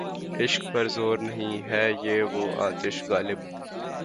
عشق پر زور نہیں، ہے یہ وہ آتش غالب